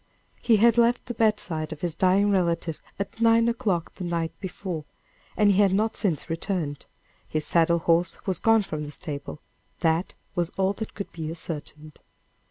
He had left the bedside of his dying relative at nine o'clock the night before, and he had not since returned his saddle horse was gone from the stable that was all that could be ascertained.